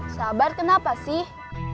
sabar kenapa sih